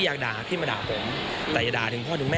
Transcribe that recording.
อย่าด่าถึงครอบครัวผม